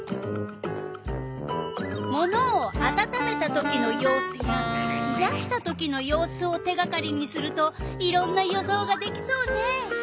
「ものをあたためたときの様子」や「ひやしたときの様子」を手がかりにするといろんな予想ができそうね。